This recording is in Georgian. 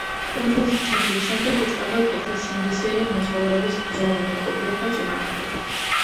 კუნძულზე ჩასვლის შემდეგ იწყება კეთილსინდისიერი მეზღვაურების ბრძოლა მეკობრეთა წინააღმდეგ.